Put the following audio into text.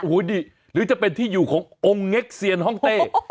โอ้โหดิหรือจะเป็นที่อยู่ขององค์เง็กเซียนห้องเต้